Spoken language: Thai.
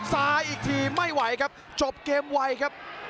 ซ้ายอีกทีไม่ไหวครับจบเกมไวครับ